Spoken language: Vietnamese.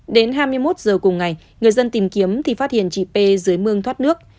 đến hai mươi một giờ cùng ngày người dân tìm kiếm thì phát hiện chị p dưới mương thoát nước